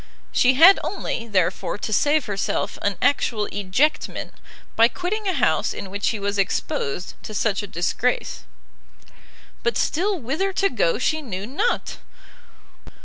She had only, therefore, to save herself an actual ejectment, by quitting a house in which she was exposed to such a disgrace. But still whither to go she knew not!